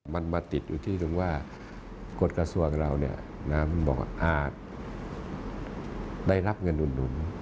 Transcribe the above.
มันมาติดอยู่ที่ตรงว่ากฎกระทรวงเรามันบอกว่าอาจได้รับเงินอุดหนุน